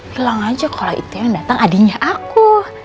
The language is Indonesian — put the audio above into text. bilang aja kalo itu yang dateng adinya aku